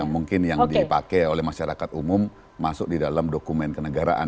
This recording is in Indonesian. mungkin yang dipakai oleh masyarakat umum masuk di dalam dokumen kenegaraan